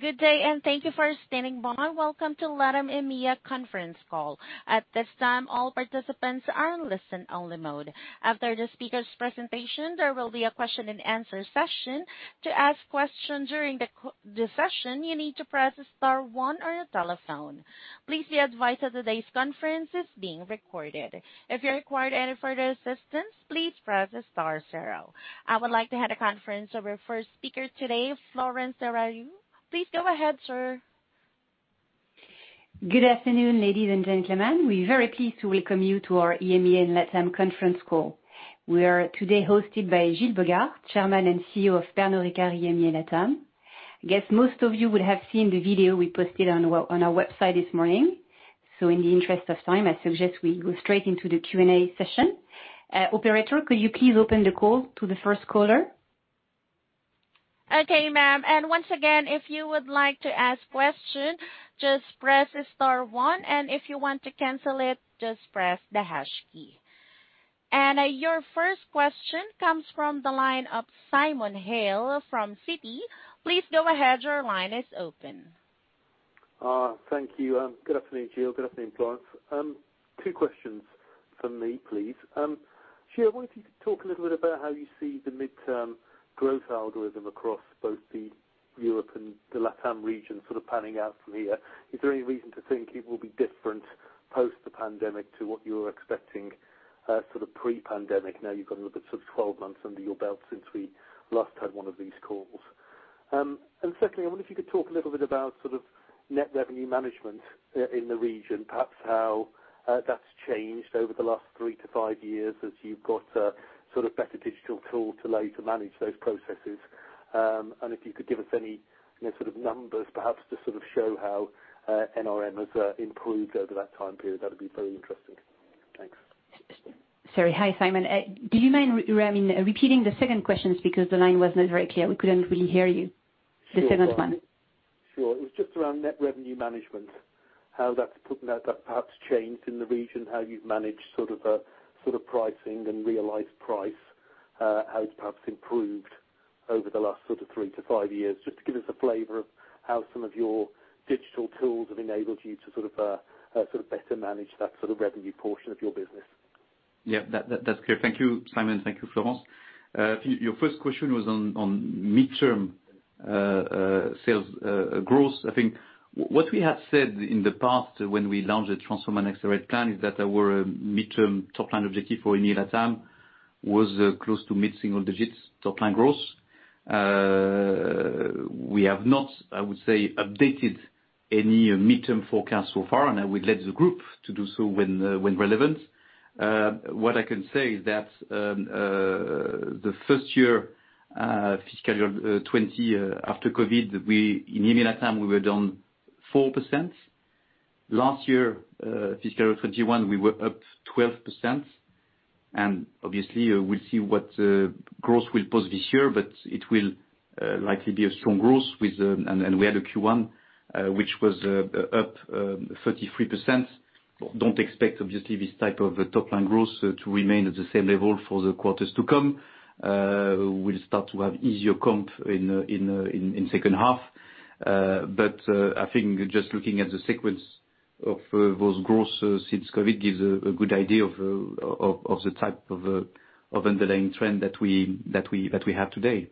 Good day, and thank you for standing by. Welcome to LatAm EMEA conference call. At this time, all participants are in listen-only mode. After the speaker's presentation, there will be a question and answer session. To ask questions during the session, you need to press star one on your telephone. Please be advised that today's conference is being recorded. If you require any further assistance, please press star zero. I would like to hand the conference over to the first speaker today, Florence Tresarrieu. Please go ahead, sir. Good afternoon, ladies and gentlemen. We're very pleased to welcome you to our EMEA and LatAm conference call. We are today hosted by Gilles Bogaert, Chairman and CEO of Pernod Ricard EMEA and LatAm. I guess most of you would have seen the video we posted on our website this morning. In the interest of time, I suggest we go straight into the Q&A session. Operator, could you please open the call to the first caller? Okay, ma'am. Once again, if you would like to ask question, just press star one. If you want to cancel it, just press the hash key. Your first question comes from the line of Simon Hales from Citi. Please go ahead, your line is open. Thank you. Good afternoon, Gilles. Good afternoon, Florence. Two questions from me, please. Gilles, I wonder if you could talk a little bit about how you see the midterm growth algorithm across both the Europe and the LatAm region sort of panning out from here. Is there any reason to think it will be different post the pandemic to what you were expecting sort of pre-pandemic? Now you've got sort of 12 months under your belt since we last had one of these calls. Secondly, I wonder if you could talk a little bit about sort of net revenue management in the region, perhaps how that's changed over the last 3-5 years as you've got a sort of better digital tool to allow you to manage those processes. If you could give us any, you know, sort of numbers perhaps to sort of show how NRM has improved over that time period, that'd be very interesting. Thanks. Sorry. Hi, Simon. Do you mind repeating the second question because the line was not very clear. We couldn't really hear you. The second one. Sure. It was just around net revenue management, how that's put, how that's perhaps changed in the region, how you've managed sort of pricing and realized price, how it's perhaps improved over the last sort of three to five years, just to give us a flavor of how some of your digital tools have enabled you to sort of better manage that sort of revenue portion of your business. Yeah, that's clear. Thank you, Simon. Thank you, Florence. Your first question was on midterm sales growth. I think what we have said in the past when we launched the Transform and Accelerate plan is that there were a midterm top-line objective for EMEA LatAm was close to mid-single digits top-line growth. We have not, I would say, updated any midterm forecast so far, and I will let the group to do so when relevant. What I can say is that the first year, fiscal year 2020, after COVID, we in EMEA LatAm were down 4%. Last year, fiscal 2021, we were up 12%. Obviously, we'll see what growth will post this year, but it will likely be a strong growth with and we had a Q1 which was up 33%. Don't expect obviously this type of a top-line growth to remain at the same level for the quarters to come. We'll start to have easier comp in second half. But I think just looking at the sequence of those growth since COVID gives a good idea of the type of underlying trend that we have today.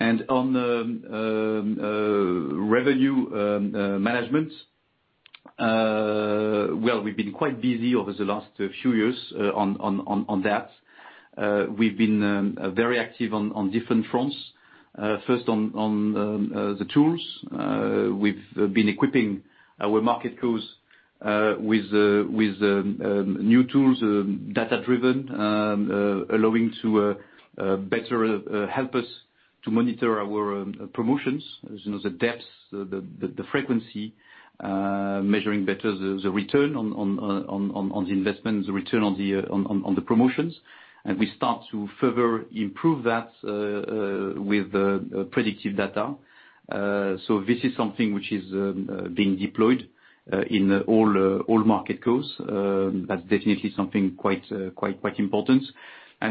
On the revenue management, well, we've been quite busy over the last few years on that. We've been very active on different fronts. First on the tools. We've been equipping our market tools with new tools, data-driven, allowing to better help us to monitor our promotions, as you know, the depths, the frequency, measuring better the return on the investment, the return on the promotions. We start to further improve that with predictive data. This is something which is being deployed in all market codes. That's definitely something quite important.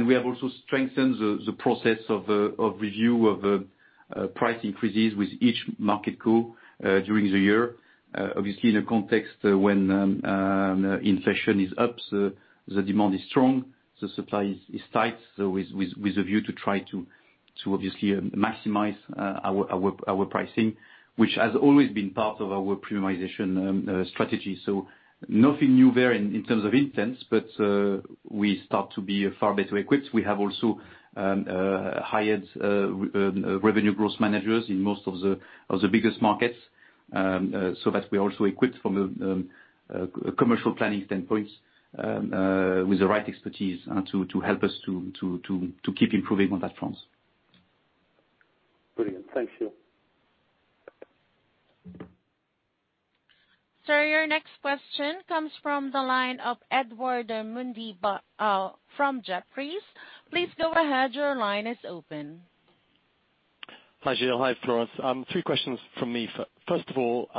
We have also strengthened the process of review of price increases with each market code during the year. Obviously, in a context when inflation is up, the demand is strong, the supply is tight, so with a view to try to obviously maximize our pricing, which has always been part of our premiumization strategy. Nothing new there in terms of intents, but we start to be far better equipped. We have also hired revenue growth managers in most of the biggest markets, so that we're also equipped from a commercial planning standpoint with the right expertise to keep improving on that front. Brilliant. Thank you. Sir, your next question comes from the line of Edward Mundy from Jefferies. Please go ahead, your line is open. Hi, Gilles. Hi, Florence. Three questions from me. First of all,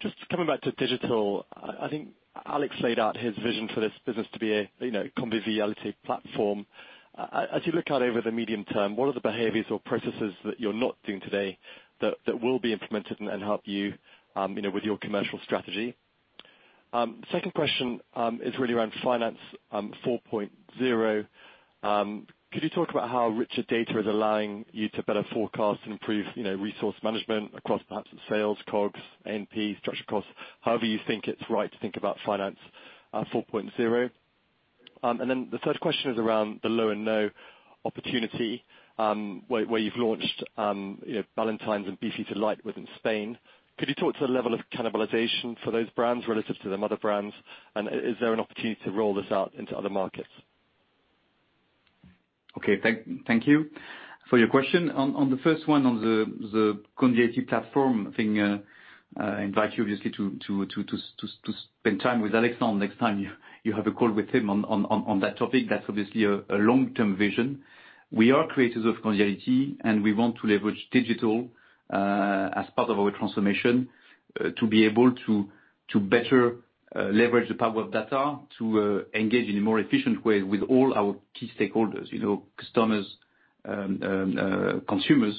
just coming back to digital, I think Alex laid out his vision for this business to be a, you know, conviviality platform. As you look out over the medium term, what are the behaviors or processes that you're not doing today that will be implemented and help you know, with your commercial strategy? Second question is really around finance 4.0. Could you talk about how richer data is allowing you to better forecast and improve, you know, resource management across perhaps sales, COGS, NP, structural costs, however you think it's right to think about Finance 4.0? The third question is around the low and no opportunity, where you've launched, you know, Ballantine's and Beefeater Light within Spain. Could you talk to the level of cannibalization for those brands relative to the mother brands? Is there an opportunity to roll this out into other markets? Okay. Thank you for your question. On the first one, the conviviality platform thing, I invite you obviously to spend time with Alex the next time you have a call with him on that topic. That's obviously a long-term vision. We are creators of conviviality, and we want to leverage digital as part of our transformation to be able to better leverage the power of data to engage in a more efficient way with all our key stakeholders, you know, customers, consumers.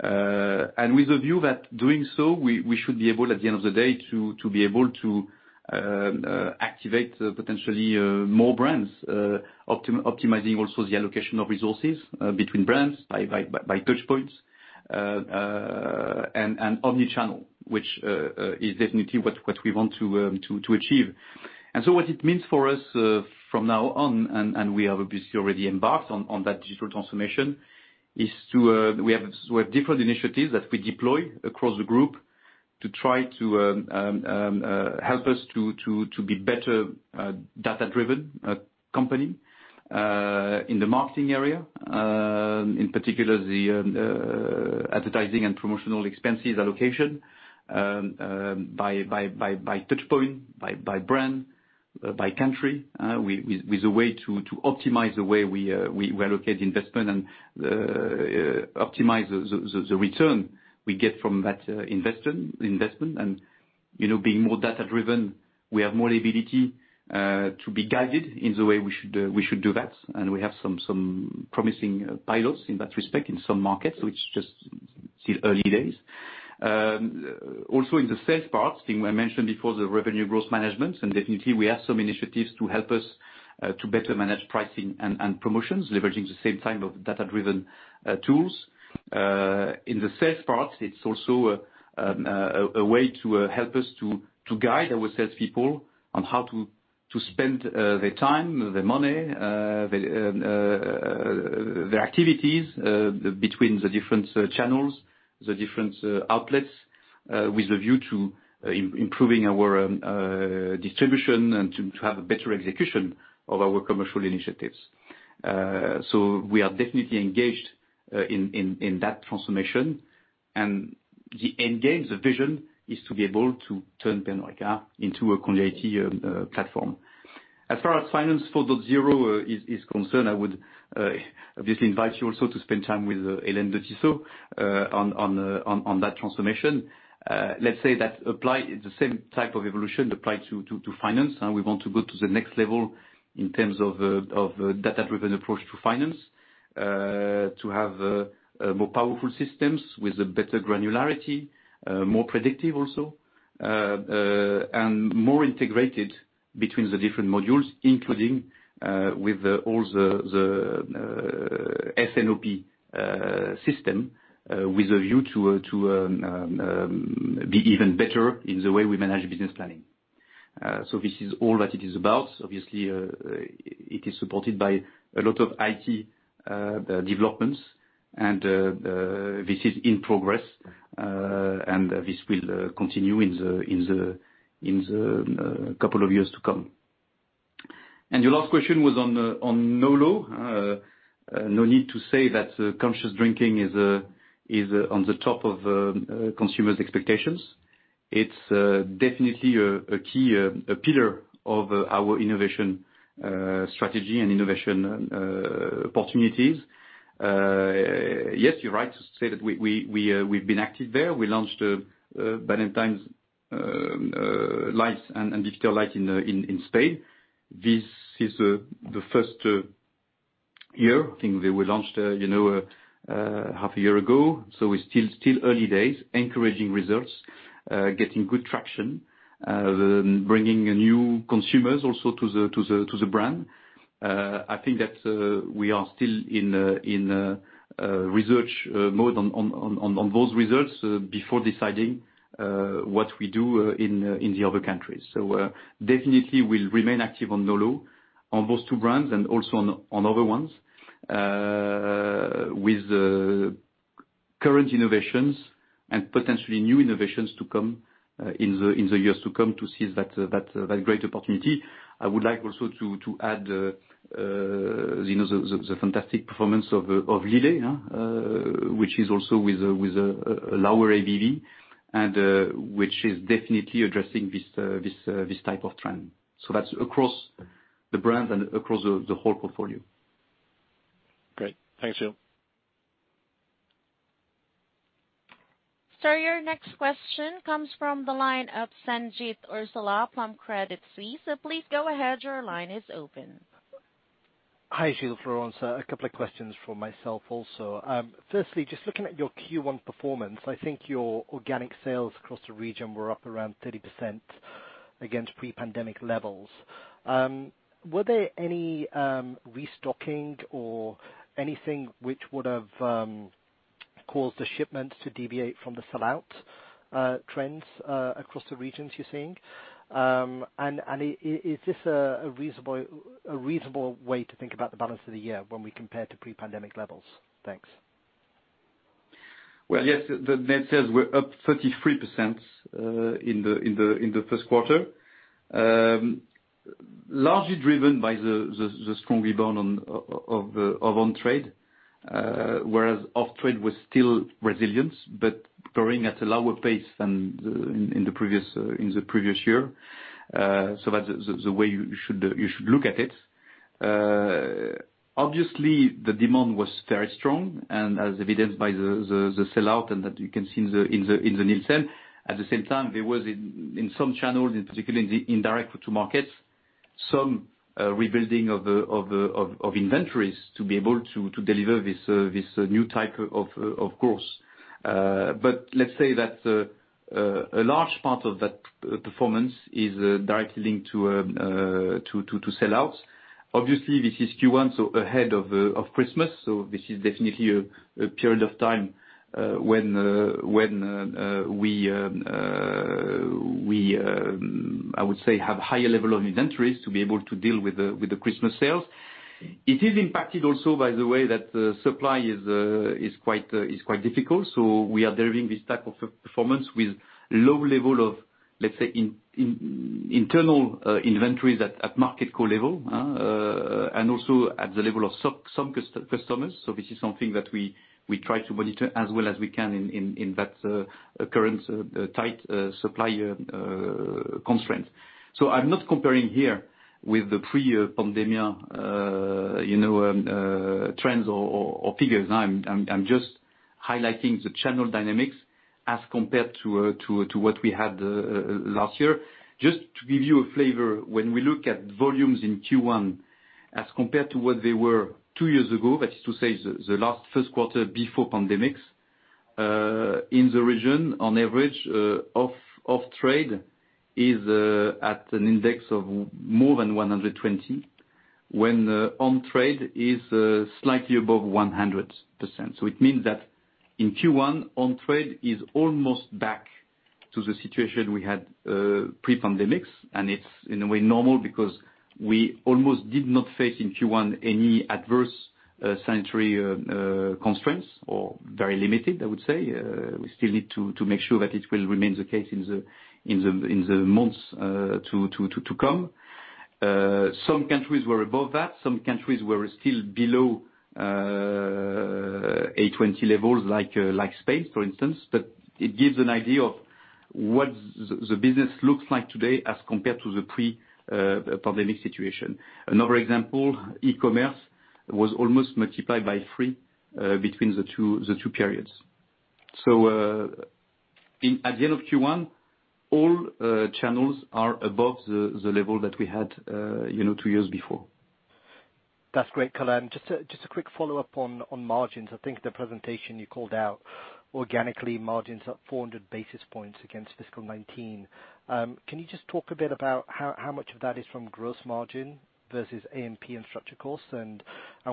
with a view that doing so we should be able at the end of the day to be able to activate potentially more brands, optimizing also the allocation of resources between brands by touch points and omni-channel, which is definitely what we want to achieve. What it means for us from now on, and we have obviously already embarked on that digital transformation, is to we have different initiatives that we deploy across the group to try to help us to be better data-driven company in the marketing area, in particular, the advertising and promotional expenses allocation by touch point, by brand, by country, with a way to optimize the way we allocate investment and optimize the return we get from that investment. You know, being more data-driven, we have more ability to be guided in the way we should do that. We have some promising pilots in that respect in some markets, which is just still early days. Also in the sales part, I think I mentioned before the revenue growth management. Definitely we have some initiatives to help us to better manage pricing and promotions, leveraging the same type of data-driven tools. In the sales part, it's also a way to help us to guide our salespeople on how to spend their time, their money, their activities between the different channels, the different outlets, with a view to improving our distribution and to have a better execution of our commercial initiatives. We are definitely engaged in that transformation. The end game, the vision is to be able to turn Pernod Ricard into a conviviality platform. As far as Finance 4.0 is concerned, I would obviously invite you also to spend time with Hélène de Tissot on that transformation. Let's say that apply the same type of evolution applied to finance. We want to go to the next level in terms of a data-driven approach to finance to have more powerful systems with a better granularity, more predictive also, and more integrated between the different modules, including with all the S&OP system, with a view to be even better in the way we manage business planning. This is all that it is about. Obviously, it is supported by a lot of IT developments, and this is in progress, and this will continue in the couple of years to come. Your last question was on no-lo. No need to say that conscious drinking is on the top of consumers' expectations. It's definitely a key pillar of our innovation strategy and innovation opportunities. Yes, you're right to say that we've been active there. We launched Ballantine's Light and Beefeater Light in Spain. This is the first year. I think they were launched half a year ago, so it's still early days. Encouraging results, getting good traction, bringing new consumers also to the brand. I think that we are still in research mode on those results before deciding what we do in the other countries. Definitely we'll remain active on No-Lo on those two brands and also on other ones with current innovations and potentially new innovations to come in the years to come to seize that great opportunity. I would like also to add, you know, the fantastic performance of Lillet, which is also with a lower ABV and which is definitely addressing this type of trend. That's across the brand and across the whole portfolio. Great. Thanks, Gilles. Sir, your next question comes from the line of Sanjeet Aujla from Credit Suisse. Please go ahead. Your line is open. Hi, Gilles, Florence. A couple of questions from myself also. Firstly, just looking at your Q1 performance, I think your organic sales across the region were up around 30% against pre-pandemic levels. Were there any restocking or anything which would have caused the shipments to deviate from the sellout trends across the regions you're seeing? Is this a reasonable way to think about the balance of the year when we compare to pre-pandemic levels? Thanks. Well, yes, the net sales were up 33% in the Q1. Largely driven by the strong rebound of on-trade, whereas off-trade was still resilient, but growing at a lower pace than in the previous year. That's the way you should look at it. Obviously, the demand was very strong, and as evidenced by the sellout and that you can see in the Nielsen. At the same time, there was in some channels, in particular in the indirect route to markets, some rebuilding of the inventories to be able to deliver this new type of course. Let's say that a large part of that performance is directly linked to sellouts. Obviously, this is Q1, so ahead of Christmas, so this is definitely a period of time when we, I would say, have higher level of inventories to be able to deal with the Christmas sales. It is impacted also by the way that the supply is quite difficult, so we are delivering this type of performance with low level of, let's say, internal inventories at market level and also at the level of some customers. This is something that we try to monitor as well as we can in that current tight supply constraint. I'm not comparing here with the pre-pandemic, you know, trends or figures. I'm just highlighting the channel dynamics as compared to what we had last year. Just to give you a flavor, when we look at volumes in Q1 as compared to what they were two years ago, that is to say the last first quarter before pandemic in the region on average, off-trade is at an index of more than 120 when the on-trade is slightly above 100%. It means that in Q1, on-trade is almost back to the situation we had pre-pandemic, and it's in a way normal because we almost did not face in Q1 any adverse sanitary constraints or very limited, I would say. We still need to make sure that it will remain the case in the months to come. Some countries were above that. Some countries were still below 80% levels, like Spain, for instance. It gives an idea of what the business looks like today as compared to the pre-pandemic situation. Another example, e-commerce was almost multiplied by 3 between the two periods. At the end of Q1, all channels are above the level that we had, you know, two years before. That's great, Gilles. Just a quick follow-up on margins. I think the presentation you called out organic margins up 400 basis points against fiscal 2019. Can you just talk a bit about how much of that is from gross margin versus A&P and structural costs and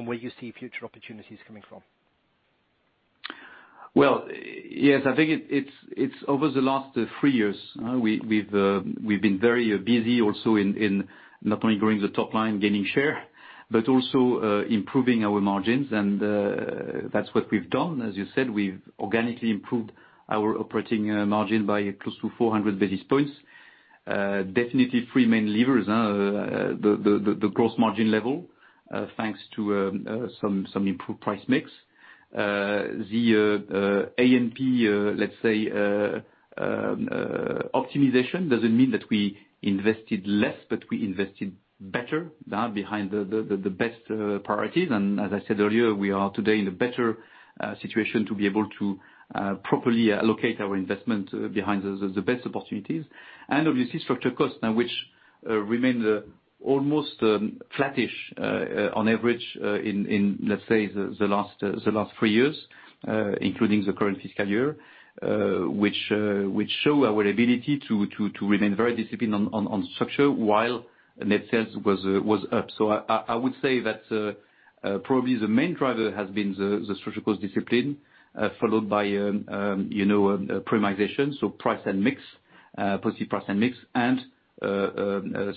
where you see future opportunities coming from? Well, yes, I think it's over the last three years, we've been very busy also in not only growing the top line, gaining share, but also improving our margins. That's what we've done. As you said, we've organically improved our operating margin by close to 400 basis points. Definitely three main levers, the gross margin level thanks to some improved price mix. The A&P, let's say, optimization doesn't mean that we invested less, but we invested better that behind the best priorities. As I said earlier, we are today in a better situation to be able to properly allocate our investment behind the best opportunities. Obviously, structural costs now, which remained almost flattish on average in, let's say, the last three years, including the current fiscal year, which shows our ability to remain very disciplined on structure while net sales was up. I would say that probably the main driver has been the structural discipline, followed by, you know, premiumization, so price and mix, positive price and mix, and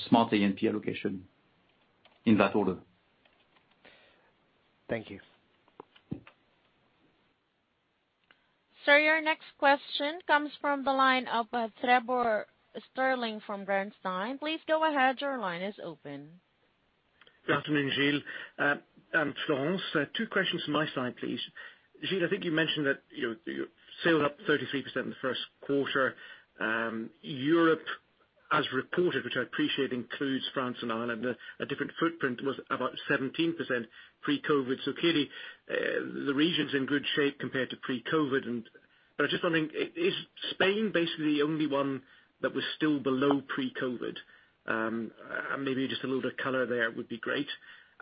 smart A&P allocation in that order. Thank you. Sir, your next question comes from the line of Trevor Stirling from Bernstein. Please go ahead. Your line is open. Good afternoon, Gilles, and Florence. Two questions from my side, please. Gilles, I think you mentioned that, you know, your sales are up 33% in the Q1. Europe as reported, which I appreciate includes France and Ireland, a different footprint was about 17% pre-COVID. Clearly, the region's in good shape compared to pre-COVID. I'm just wondering, is Spain basically the only one that was still below pre-COVID? Maybe just a little bit of color there would be great.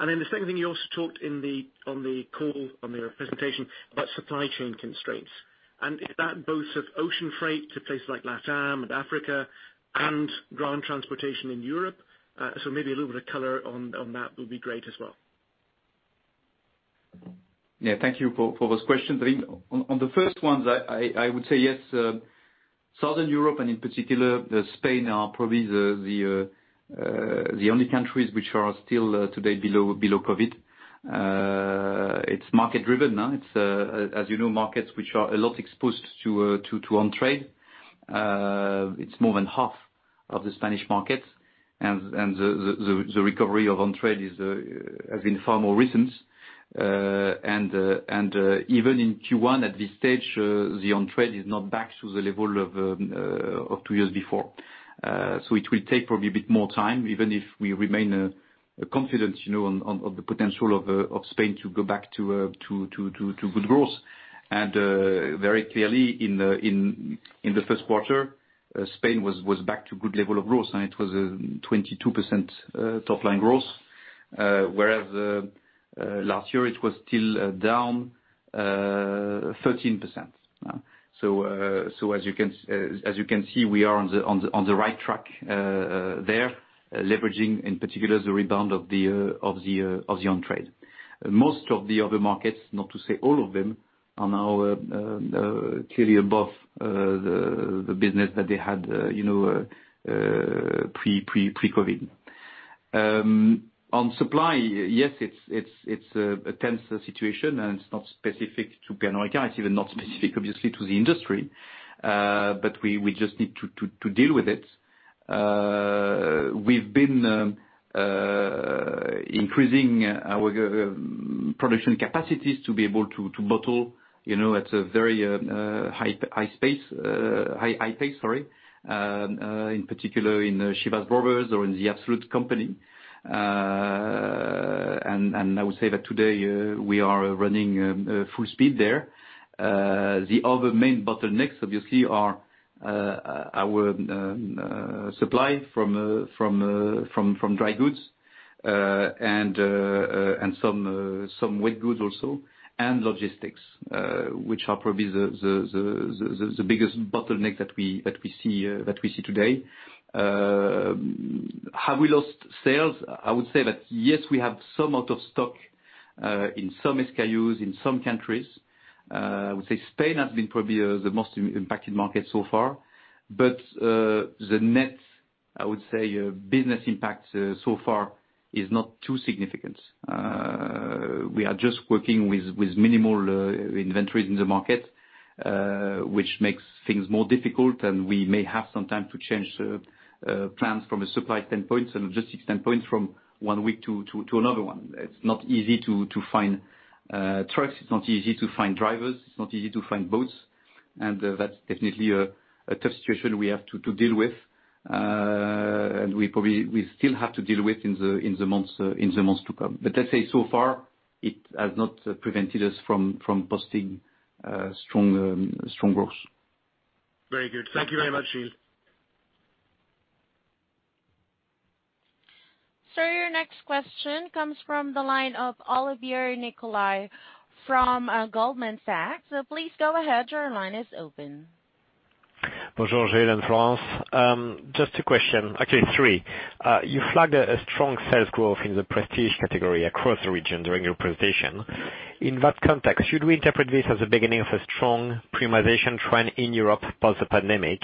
Then the second thing, you also talked on the call on your presentation about supply chain constraints, and is that both ocean freight to places like LATAM and Africa and ground transportation in Europe? Maybe a little bit of color on that would be great as well. Yeah, thank you for those questions. On the first ones, I would say yes. Southern Europe and in particular Spain are probably the only countries which are still today below COVID. It's market driven. It's as you know, markets which are a lot exposed to on trade. It's more than half of the Spanish market. The recovery of on trade has been far more recent. Even in Q1 at this stage, the on trade is not back to the level of two years before. It will take probably a bit more time, even if we remain confident, you know, on the potential of Spain to go back to good growth. Very clearly in the first quarter, Spain was back to good level of growth, and it was a 22% top line growth, whereas last year it was still down 13%. As you can see, we are on the right track there leveraging in particular the rebound of the on trade. Most of the other markets, not to say all of them, are now clearly above the business that they had, you know, pre-COVID. On supply, yes, it's a tense situation, and it's not specific to Pernod Ricard. It's even not specific, obviously, to the industry. We just need to deal with it. We've been increasing our production capacities to be able to bottle, you know, at a very high pace in particular in Chivas Brothers or in The Absolut Company. I would say that today we are running full speed there. The other main bottlenecks obviously are our supply from dry goods and some wet goods also, and logistics, which are probably the biggest bottleneck that we see today. Have we lost sales? I would say that, yes, we have some out of stock in some SKUs in some countries. I would say Spain has been probably the most impacted market so far. The net, I would say, business impact so far is not too significant. We are just working with minimal inventory in the market, which makes things more difficult. We may have some time to change plans from a supply standpoint and a logistics standpoint from one week to another one. It's not easy to find trucks. It's not easy to find drivers. It's not easy to find boats. That's definitely a tough situation we have to deal with. We still have to deal with in the months to come. I'd say so far it has not prevented us from posting strong growth. Very good. Thank you very much, Gilles. Sir, your next question comes from the line of Olivier Nicolai from Goldman Sachs. Please go ahead. Your line is open. Bonjour, Gilles and Florence. Just a question. Actually, three. You flagged a strong sales growth in the prestige category across the region during your presentation. In that context, should we interpret this as the beginning of a strong premiumization trend in Europe post the pandemic?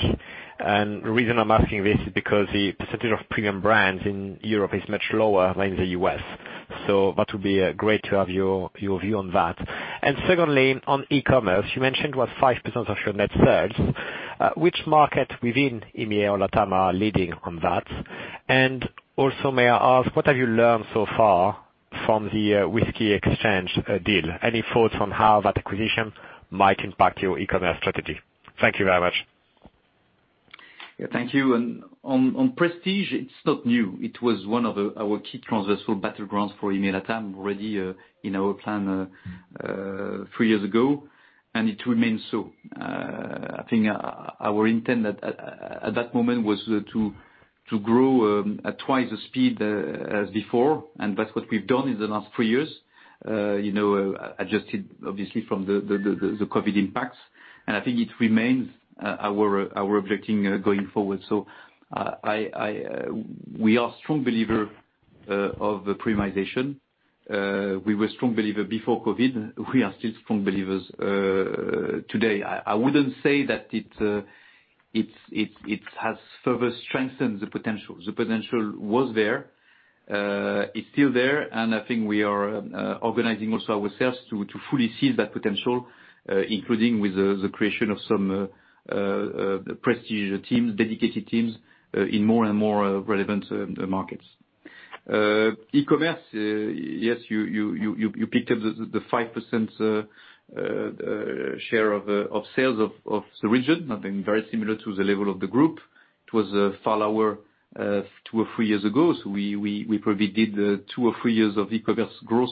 The reason I'm asking this is because the percentage of premium brands in Europe is much lower than in the U.S. That would be great to have your view on that. Secondly, on e-commerce, you mentioned it was 5% of your net sales. Which market within EMEA or LATAM are leading on that? Also, may I ask, what have you learned so far from the Whisky Exchange deal? Any thoughts on how that acquisition might impact your e-commerce strategy? Thank you very much. Yeah, thank you. On prestige, it's not new. It was one of our key transversal battlegrounds for EMEA, LATAM already in our plan three years ago, and it remains so. I think our intent at that moment was to grow at twice the speed as before, and that's what we've done in the last three years. You know, adjusted obviously from the COVID impacts. I think it remains our objective going forward. I, we are strong believer of the premiumization. We were strong believer before COVID. We are still strong believers today. I wouldn't say that it has further strengthened the potential. The potential was there. It's still there. I think we are organizing also ourselves to fully seize that potential, including with the creation of some prestige teams, dedicated teams in more and more relevant markets. E-commerce, yes, you picked up the 5% share of sales of the region. Not very similar to the level of the group. It was far lower two or three years ago, so we probably did two or three years of e-commerce growth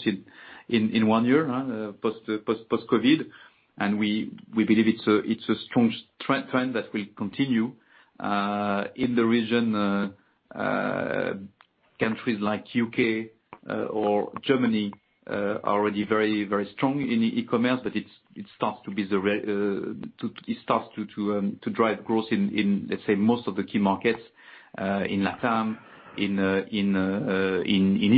in one year. Post-COVID. We believe it's a strong trend that will continue in the region. Countries like U.K. or Germany are already very strong in e-commerce, but it starts to be relevant too. It starts to drive growth in, let's say, most of the key markets, in LATAM, in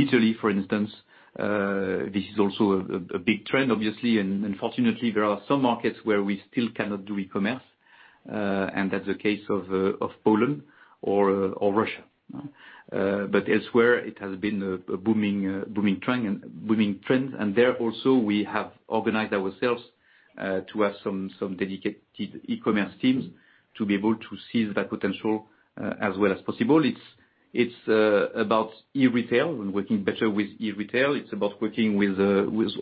Italy, for instance. This is also a big trend, obviously. Unfortunately, there are some markets where we still cannot do e-commerce, and that's the case of Poland or Russia. Elsewhere, it has been a booming trend. There also, we have organized ourselves to have some dedicated e-commerce teams to be able to seize that potential as well as possible. It's about e-retail. We're working better with e-retail. It's about working with,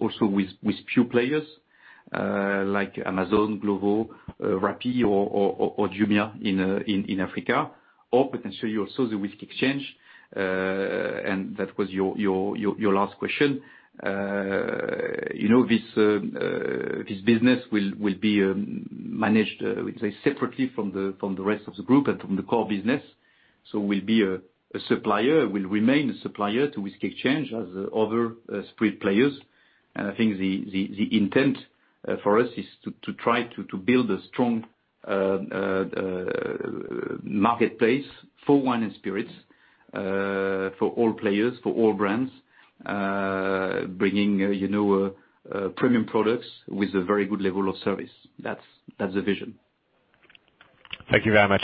also with pure players like Amazon, Glovo, Rappi or Jumia in Africa, or potentially also The Whisky Exchange. That was your last question. You know, this business will be managed, we'd say separately from the rest of the group and from the core business. We'll be a supplier, we'll remain a supplier to Whisky Exchange as other spirit players. I think the intent for us is to try to build a strong marketplace for wine and spirits for all players, for all brands, bringing you know premium products with a very good level of service. That's the vision. Thank you very much.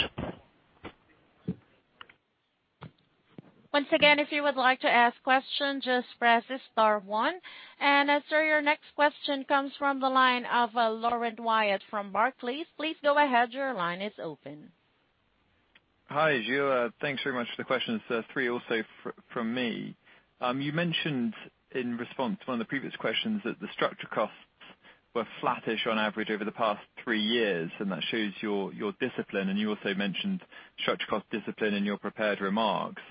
Once again, if you would like to ask questions, just press star one. Sir, your next question comes from the line of Laurence Whyatt from Barclays. Please go ahead. Your line is open. Hi, Jules. Thanks very much for the questions. Three also from me. You mentioned in response to one of the previous questions that the structural costs were flattish on average over the past three years, and that shows your discipline. You also mentioned structural cost discipline in your prepared remarks.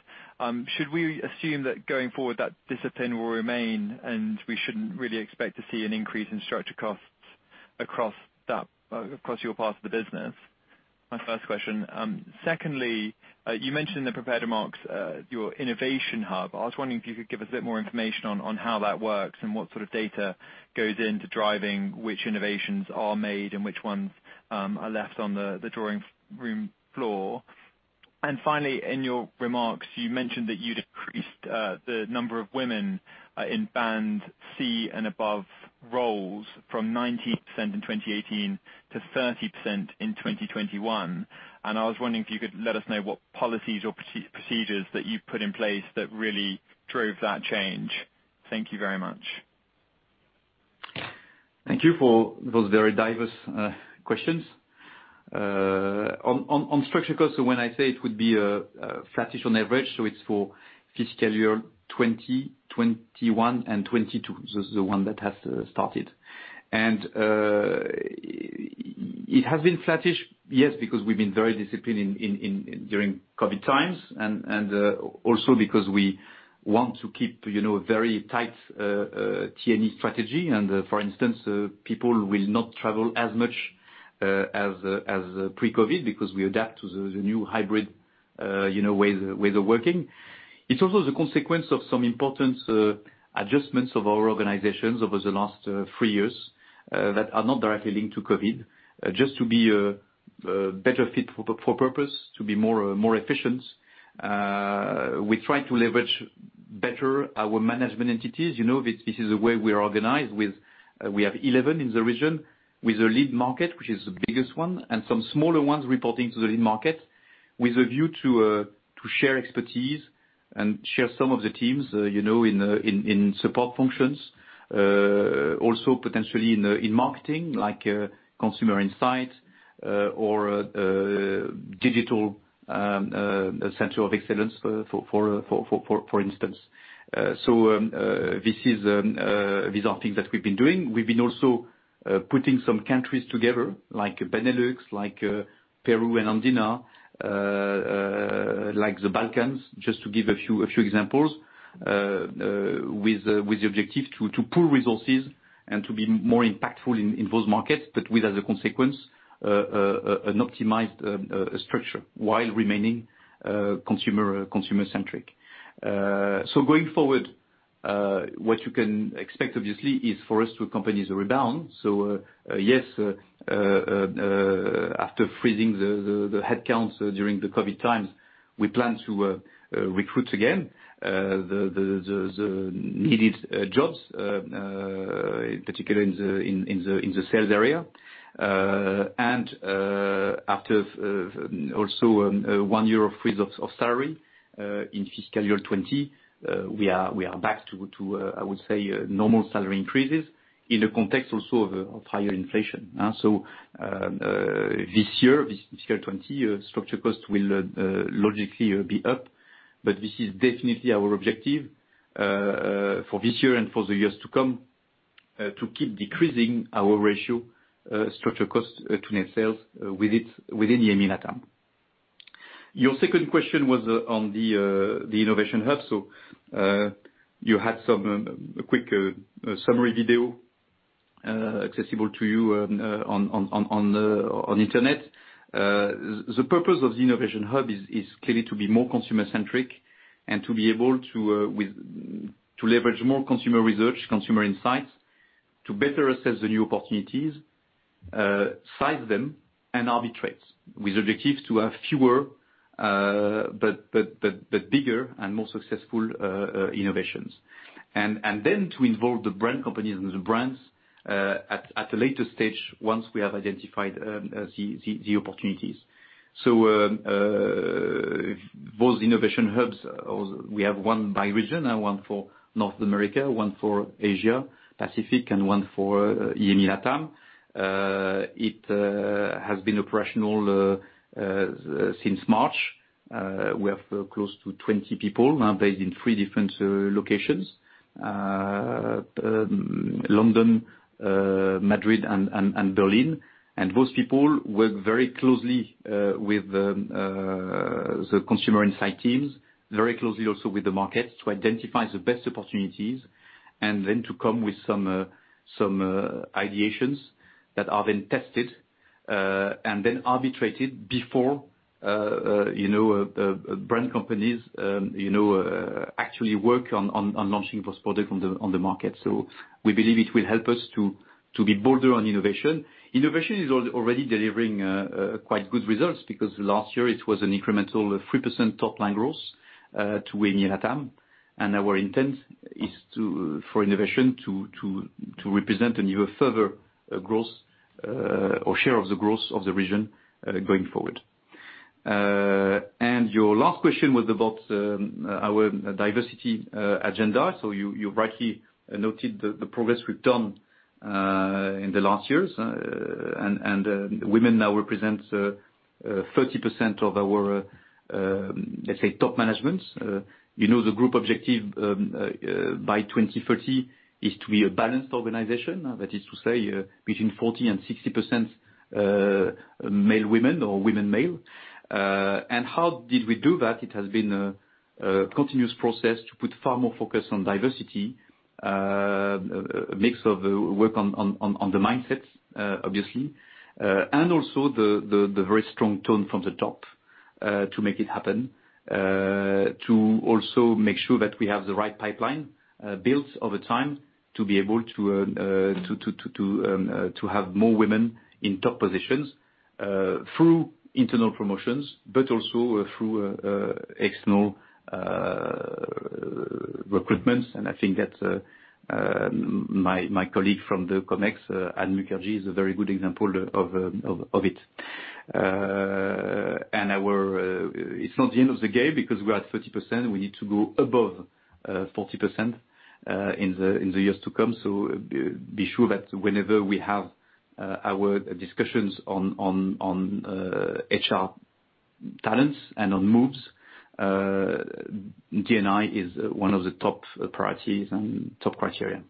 Should we assume that going forward, that discipline will remain and we shouldn't really expect to see an increase in structural costs across that, across your part of the business? My first question. Secondly, you mentioned in the prepared remarks your innovation hub. I was wondering if you could give us a bit more information on how that works and what sort of data goes into driving which innovations are made and which ones are left on the drawing board. Finally, in your remarks, you mentioned that you'd increased the number of women in band C and above roles from 19% in 2018 to 30% in 2021. I was wondering if you could let us know what policies or procedures that you've put in place that really drove that change. Thank you very much. Thank you for those very diverse questions. On structure cost, when I say it would be flattish on average, it's for fiscal year 2021 and 2022. The one that has started. It has been flattish, yes, because we've been very disciplined in during COVID times, and also because we want to keep, you know, a very tight T&E strategy. For instance, people will not travel as much as pre-COVID because we adapt to the new hybrid, you know, way of working. It's also the consequence of some important adjustments of our organizations over the last 3 years that are not directly linked to COVID. Just to be a better fit for purpose, to be more efficient. We try to leverage better our management entities. You know this. This is the way we are organized with 11 in the region with a lead market, which is the biggest one, and some smaller ones reporting to the lead market with a view to share expertise and share some of the teams, you know, in support functions. Also potentially in marketing, like consumer insight, or digital center of excellence for instance. These are things that we've been doing. We've been also putting some countries together, like Benelux, like Peru and Andina, like the Balkans, just to give a few examples. with the objective to pool resources and to be more impactful in those markets, but with as a consequence an optimized structure while remaining consumer-centric. Going forward, what you can expect obviously is for us to accompany the rebound. Yes, after freezing the headcounts during the COVID times, we plan to recruit again the needed jobs, particularly in the sales area. After also one year of freeze of salary in fiscal year 2020, we are back to, I would say, normal salary increases in the context also of higher inflation. This year, this fiscal year 2020, structural costs will logically be up, but this is definitely our objective for this year and for the years to come. To keep decreasing our ratio, structural cost to net sales within it, within the EMEA LATAM. Your second question was on the innovation hub. You had a quick summary video accessible to you on the internet. The purpose of the innovation hub is clearly to be more consumer-centric and to be able to to leverage more consumer research, consumer insights, to better assess the new opportunities, size them and arbitrate with objectives to have fewer but bigger and more successful innovations. To involve the brand companies and the brands at a later stage, once we have identified the opportunities. Those innovation hubs, or we have one by region and one for North America, one for Asia Pacific, and one for EMEA/LATAM. It has been operational since March. We have close to 20 people now based in three different locations, London, Madrid and Berlin. Those people work very closely with the consumer insight teams, very closely also with the markets, to identify the best opportunities and then to come with some ideations that are then tested and then arbitrated before you know brand companies you know actually work on launching those products on the market. We believe it will help us to be bolder on innovation. Innovation is already delivering quite good results, because last year it was an incremental 3% top line growth to EMEA LATAM. Our intent is for innovation to represent an even further growth or share of the growth of the region going forward. Your last question was about our diversity agenda. You rightly noted the progress we've done in the last years. Women now represent 30% of our, let's say, top management. You know, the group objective by 2030 is to be a balanced organization. That is to say, between 40% and 60% male women or women male. How did we do that? It has been a continuous process to put far more focus on diversity, a mix of work on the mindset, obviously, and also the very strong tone from the top, to make it happen, to also make sure that we have the right pipeline built over time to be able to have more women in top positions, through internal promotions, but also through external recruitments. I think that my colleague from the Comex, Ann Mukherjee, is a very good example of it. It's not the end of the game because we are at 30%. We need to go above 40% in the years to come. Be sure that whenever we have our discussions on HR talents and on moves, D&I is one of the top priorities and top criteria.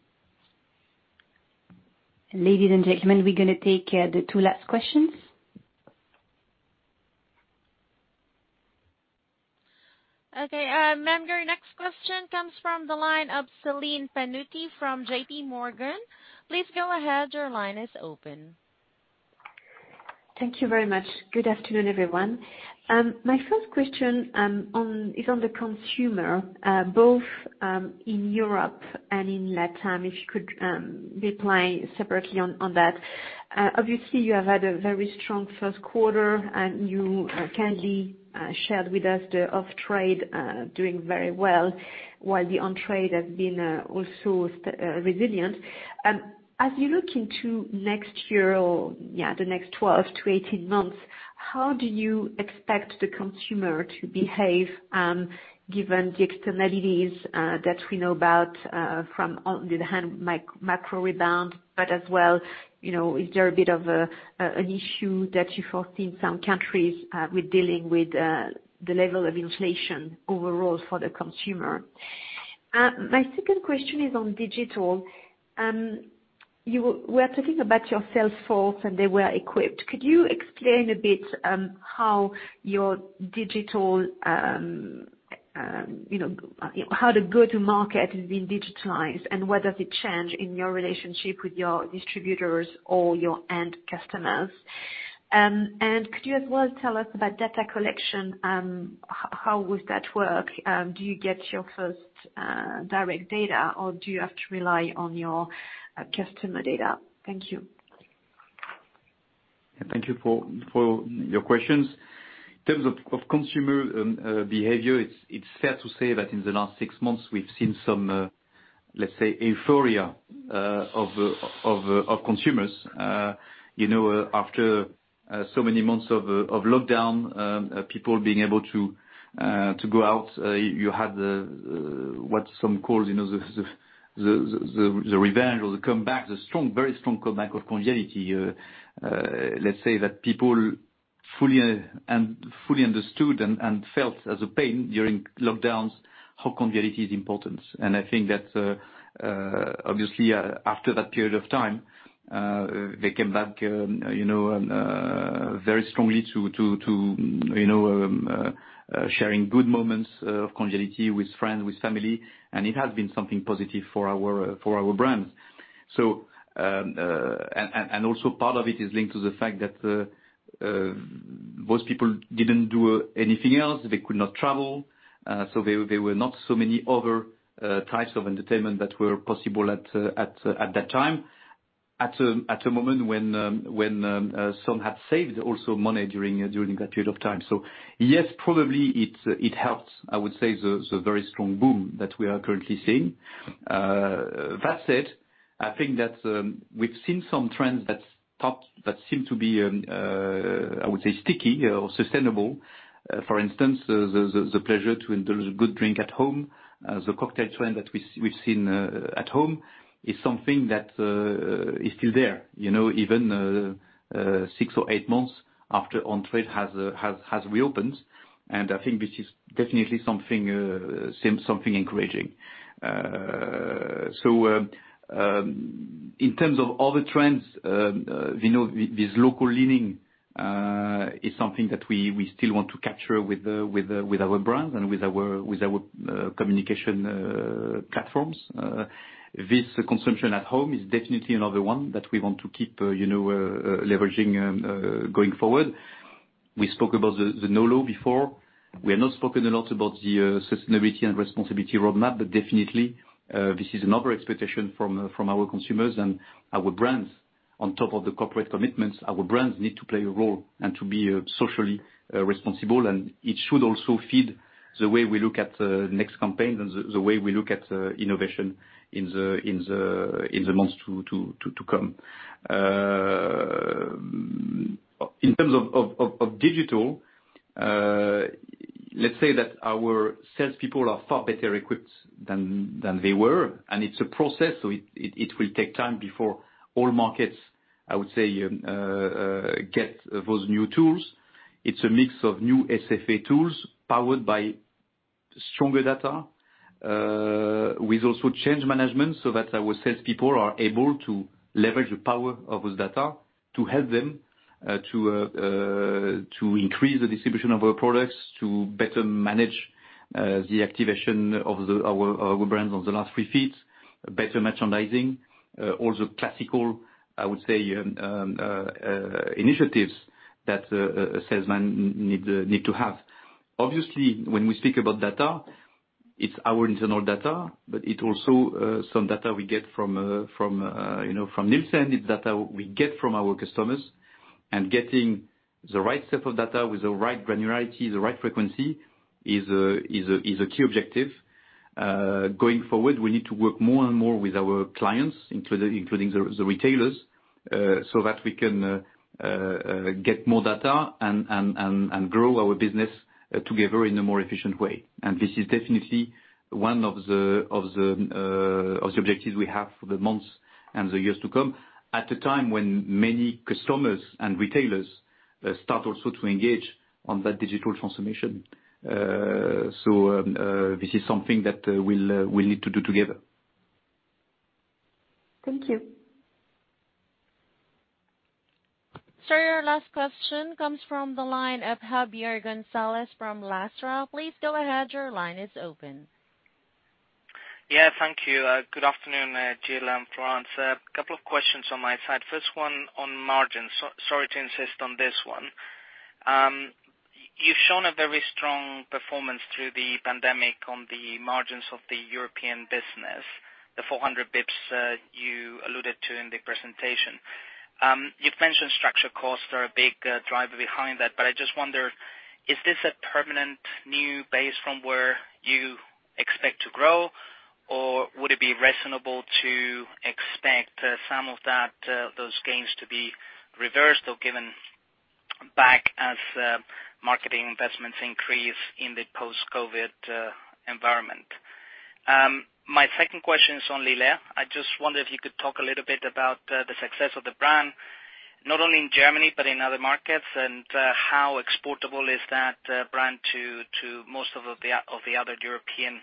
Ladies and gentlemen, we're gonna take the two last questions. Okay, our next question comes from the line of Celine Pannuti from J.P. Morgan. Please go ahead. Your line is open. Thank you very much. Good afternoon, everyone. My first question is on the consumer both in Europe and in LATAM, if you could reply separately on that. Obviously you have had a very strong Q1 and you kindly shared with us the off-trade doing very well while the on-trade has been also resilient. As you look into next year or the next 12-18 months, how do you expect the consumer to behave given the externalities that we know about from on the one hand, the macro rebound, but as well, you know, is there a bit of an issue that you foresee in some countries with dealing with the level of inflation overall for the consumer? My second question is on digital. We are talking about your sales force, and they were equipped. Could you explain a bit, you know, how the go-to-market has been digitalized and what does it change in your relationship with your distributors or your end customers? Could you as well tell us about data collection, how would that work? Do you get your firsthand direct data or do you have to rely on your customer data? Thank you. Thank you for your questions. In terms of consumer behavior, it's fair to say that in the last six months we've seen some, let's say, euphoria of consumers. You know, after so many months of lockdown, people being able to go out, you had what some call, you know, the revenge or the comeback, the strong, very strong comeback of conviviality. Let's say that people fully, and fully understood and felt as a pain during lockdowns how conviviality is important. I think that obviously after that period of time they came back you know very strongly to sharing good moments of conviviality with friends with family and it has been something positive for our brands. And also part of it is linked to the fact that most people didn't do anything else. They could not travel. There were not so many other types of entertainment that were possible at that time. At a moment when some had saved also money during that period of time. Yes, probably it helped, I would say, the very strong boom that we are currently seeing. That said, I think that we've seen some trends that seem to be, I would say, sticky or sustainable. For instance, the pleasure to indulge a good drink at home, the cocktail trend that we've seen at home is something that is still there, you know, even six or eight months after on-trade has reopened. I think this is definitely something encouraging. In terms of other trends, we know this local leaning is something that we still want to capture with our brands and with our communication platforms. This consumption at home is definitely another one that we want to keep, you know, leveraging and going forward. We spoke about the no-lo before. We have not spoken a lot about the sustainability and responsibility roadmap, but definitely this is another expectation from our consumers and our brands. On top of the corporate commitments, our brands need to play a role and to be socially responsible, and it should also feed the way we look at the next campaign and the way we look at innovation in the months to come. In terms of digital, let's say that our salespeople are far better equipped than they were, and it's a process, so it will take time before all markets, I would say, get those new tools. It's a mix of new SFA tools powered by stronger data, with also change management, so that our salespeople are able to leverage the power of this data to help them to increase the distribution of our products, to better manage the activation of our brands on the last three feet, better merchandising, all the classical, I would say, initiatives that a salesman need to have. Obviously, when we speak about data, it's our internal data, but it also some data we get from you know, from Nielsen. It's data we get from our customers. Getting the right set of data with the right granularity, the right frequency is a key objective. Going forward, we need to work more and more with our clients, including the retailers, so that we can get more data and grow our business together in a more efficient way. This is definitely one of the objectives we have for the months and the years to come, at a time when many customers and retailers start also to engage on that digital transformation. This is something that we'll need to do together. Thank you. Sir, your last question comes from the line of Javier Gonzalez Lastra. Please go ahead. Your line is open. Yeah. Thank you. Good afternoon, Gilles and Florence. A couple of questions on my side. First one on margins. Sorry to insist on this one. You've shown a very strong performance through the pandemic on the margins of the European business, the 400 basis points you alluded to in the presentation. You've mentioned structural costs are a big driver behind that, but I just wonder, is this a permanent new base from where you expect to grow, or would it be reasonable to expect some of those gains to be reversed or given back as marketing investments increase in the post-COVID environment? My second question is on Lillet. I just wondered if you could talk a little bit about the success of the brand, not only in Germany but in other markets. How exportable is that brand to most of the other European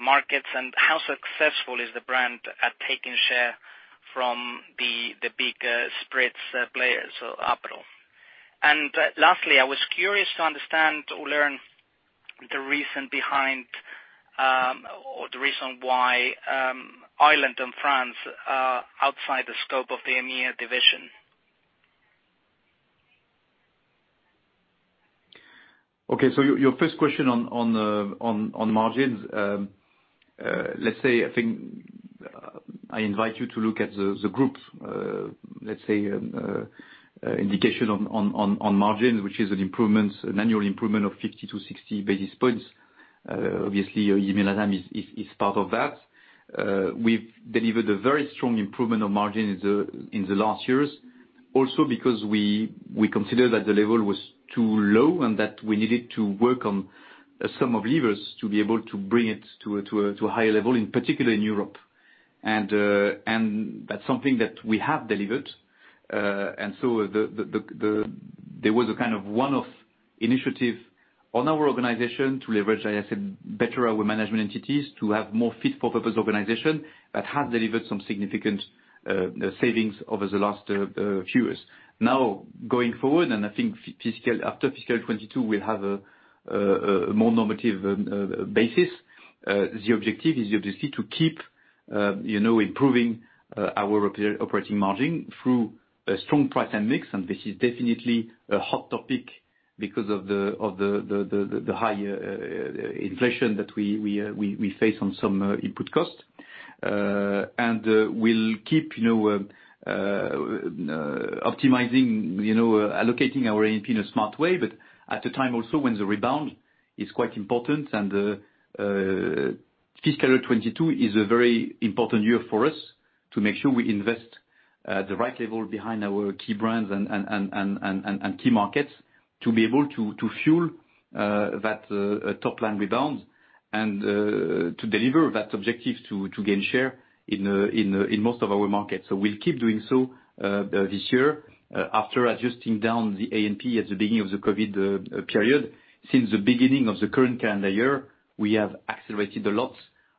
markets, and how successful is the brand at taking share from the big spirits players, so Aperol. Lastly, I was curious to understand or learn the reason behind or the reason why Ireland and France are outside the scope of the EMEA division. Okay. Your first question on margins. I invite you to look at the group's indication on margins, which is an annual improvement of 50-60 basis points. Obviously, EMEA/LATAM is part of that. We've delivered a very strong improvement of margin in the last years also because we consider that the level was too low and that we needed to work on some of levers to be able to bring it to a higher level, in particular in Europe. That's something that we have delivered. There was a kind of one-off initiative on our organization to leverage better our management entities to have more fit for purpose organization that has delivered some significant savings over the last few years. Now, going forward, I think after fiscal 2022, we'll have a more normative basis. The objective is to keep you know improving our operating margin through a strong price and mix. This is definitely a hot topic because of the high inflation that we face on some input costs. We'll keep you know optimizing you know allocating our A&P in a smart way. At the time also when the rebound is quite important and fiscal 2022 is a very important year for us to make sure we invest the right level behind our key brands and key markets to be able to fuel that top line rebound and to deliver that objective to gain share in most of our markets. We'll keep doing so this year after adjusting down the A&P at the beginning of the COVID period. Since the beginning of the current calendar year, we have accelerated a lot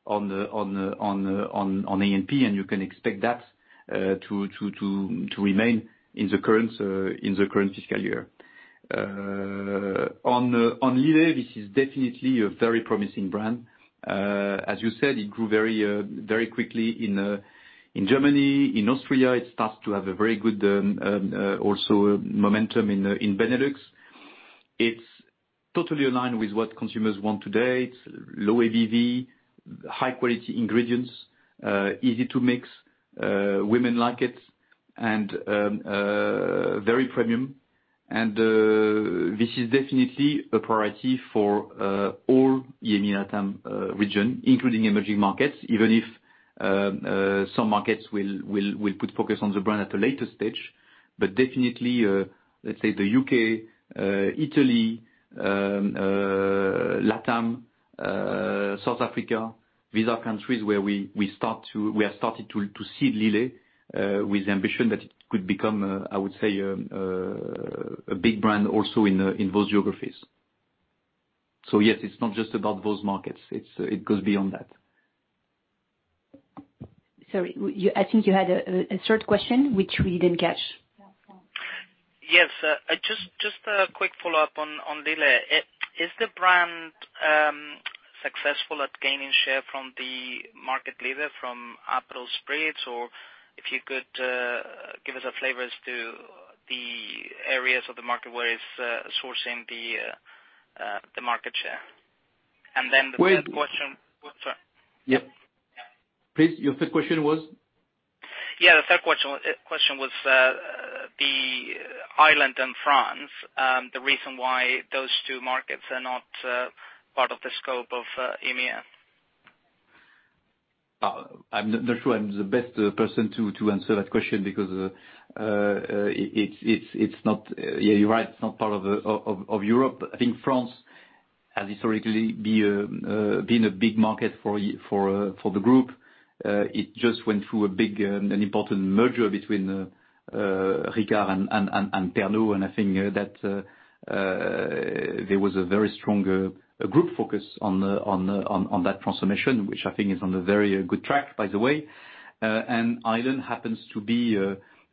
on the A&P, and you can expect that to remain in the current fiscal year. On Lillet, this is definitely a very promising brand. As you said, it grew very quickly in Germany. In Austria, it starts to have a very good also momentum in Benelux. It's totally aligned with what consumers want today. It's low ABV, high quality ingredients, easy to mix, women like it, and very premium. This is definitely a priority for all EMEA/LATAM region, including emerging markets. Even if some markets will put focus on the brand at a later stage. Definitely, let's say the U.K., Italy, LATAM, South Africa, these are countries where we have started to seed Lillet with the ambition that it could become, I would say, a big brand also in those geographies. Yes, it's not just about those markets. It goes beyond that. Sorry, I think you had a third question which we didn't catch. Yes. Just a quick follow-up on Lillet. Is the brand successful at gaining share from the market leader, from Aperol spritz? Or if you could give us a flavor as to the areas of the market where it's sourcing the market share. The third question- Wait. Sorry. Yeah. Yeah. Please, your third question was? Yeah, the third question was the Ireland and France, the reason why those two markets are not part of the scope of EMEA. I'm not sure I'm the best person to answer that question because it's not part of Europe. I think France has historically been a big market for the group. It just went through a big, an important merger between Ricard and Pernod. I think that there was a very strong group focus on that transformation, which I think is on a very good track, by the way. Ireland happens to be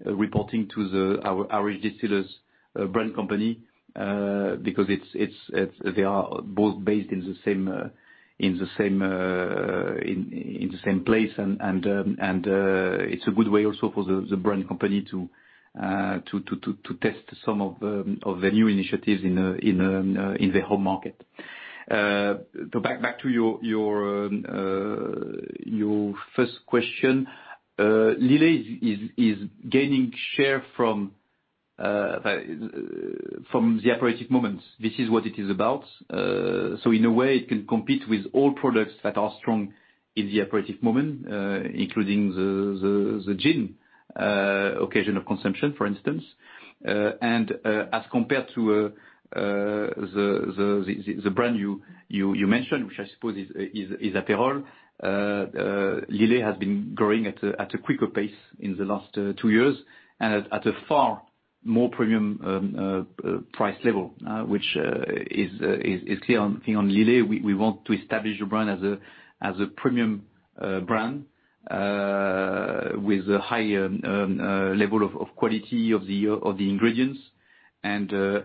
reporting to our distillers brand company because they are both based in the same place. It's a good way also for the brand company to test some of the new initiatives in the home market. Back to your first question. Lillet is gaining share from the aperitif moments. This is what it is about. In a way, it can compete with all products that are strong in the aperitif moment, including the gin occasion of consumption, for instance. As compared to the brand you mentioned, which I suppose is Aperol, Lillet has been growing at a quicker pace in the last two years and at a far more premium price level, which is clear on Lillet. We want to establish the brand as a premium brand with a high level of quality of the ingredients. The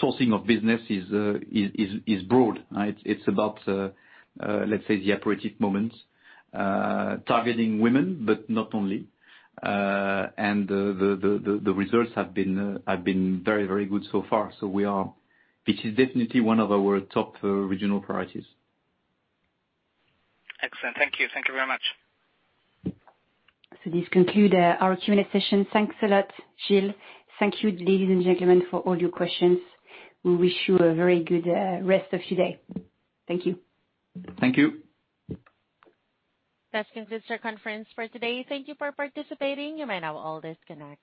source of business is broad, right? It's about, let's say, the opportune moments targeting women, but not only. The results have been very good so far. This is definitely one of our top regional priorities. Excellent. Thank you. Thank you very much. This conclude our Q&A session. Thanks a lot, Gilles. Thank you, ladies and gentlemen, for all your questions. We wish you a very good rest of your day. Thank you. Thank you. That concludes our conference for today. Thank you for participating. You may now all disconnect.